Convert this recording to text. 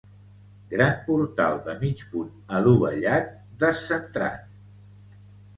Gran portal de mig punt adovellat, descentrat.